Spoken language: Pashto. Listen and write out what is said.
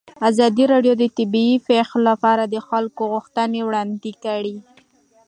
ازادي راډیو د طبیعي پېښې لپاره د خلکو غوښتنې وړاندې کړي.